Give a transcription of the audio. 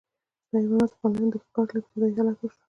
د حیواناتو پالنه د ښکار له ابتدايي حالته وشوه.